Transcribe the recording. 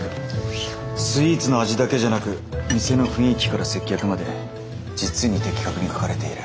スイーツの味だけじゃなく店の雰囲気から接客まで実に的確に書かれている。